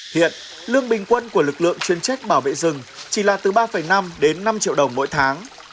hiện lương bình quân của lực lượng chuyên trách bảo vệ rừng chỉ là từ ba năm đến năm triệu đồng mỗi tháng